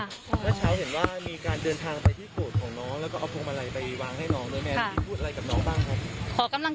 ถ้าเช้าเห็นว่ามีการเดินทางไปที่โกรธของน้อง